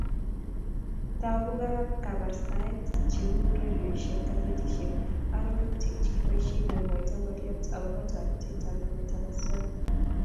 Tugukab kabarastaet cheu redioisiek, gazetisiek, arorutik keboisie kemwaita ngolyot agobo taretab nametab osoya